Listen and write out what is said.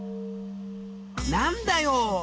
何だよ